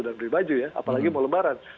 dan beli baju ya apalagi mau lebaran